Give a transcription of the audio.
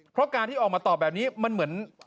เพราะการที่ออกมาตอบแบบนี้มันเหมือน